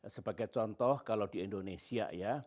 sebagai contoh kalau di indonesia ya